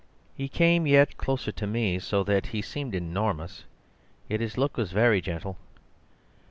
"He came yet closer to me, so that he seemed enormous; yet his look was very gentle.